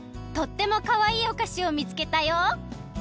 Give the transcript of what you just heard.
とってもかわいいおかしをみつけたよ。